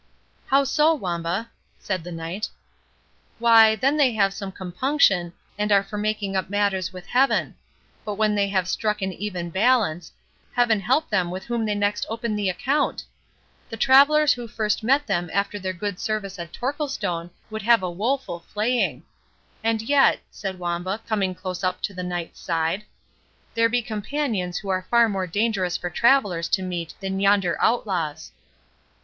"How so, Wamba?" said the Knight. "Why, then they have some compunction, and are for making up matters with Heaven. But when they have struck an even balance, Heaven help them with whom they next open the account! The travellers who first met them after their good service at Torquilstone would have a woeful flaying.—And yet," said Wamba, coming close up to the Knight's side, "there be companions who are far more dangerous for travellers to meet than yonder outlaws."